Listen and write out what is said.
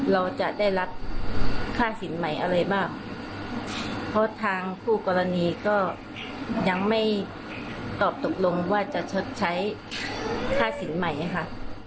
เราจะได้รับค่าสินใหม่อะไรบ้างเพราะทางคู่กรณีก็ยังไม่ตอบตกลงว่าจะชดใช้ค่าสินใหม่ค่ะ